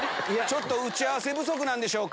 ちょっと打ち合わせ不足なんでしょうか？